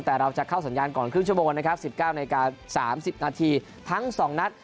แต่เราจะเข้าสัญญาณก่อนครึ่งชั่วโมงนะครับ๑๙นาที๓๐นาทีทั้ง๒นัด